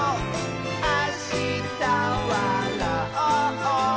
あしたわらおう！」